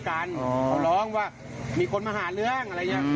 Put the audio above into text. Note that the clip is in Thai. เขาร้องว่ามีคนมาหาเรื่องอะไรอย่างนี้